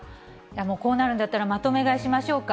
こうなるんだったら、まとめ買いしましょうか？